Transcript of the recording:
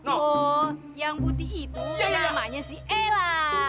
oh yang putih itu namanya si ella